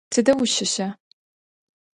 Тыдэ ущыща?